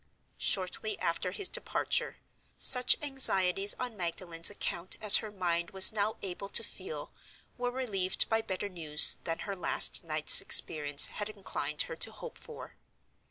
Shortly after his departure, such anxieties on Magdalen's account as her mind was now able to feel were relieved by better news than her last night's experience had inclined her to hope for.